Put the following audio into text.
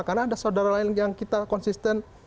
karena ada saudara lain yang kita konsisten